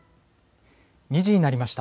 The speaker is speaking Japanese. ２時になりました。